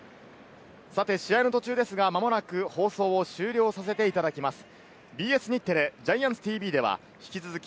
さて試合の途中ですが、間もなく放送を終了させていただきます。